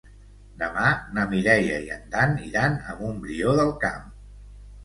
Demà na Mireia i en Dan iran a Montbrió del Camp.